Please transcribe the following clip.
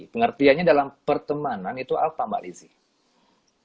pengertiannya dalam pertemanan itu apa mbak lizzie